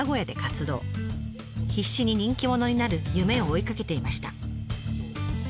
必死に人気者になる夢を追いかけていました。